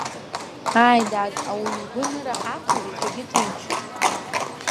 Ааи, дад, ауаҩы игәы аныраҳаҭу, ицәагьы ҭынчуп!